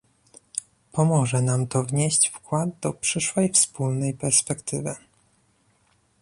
Pomoże nam to wnieść wkład do przyszłej wspólnej perspektywy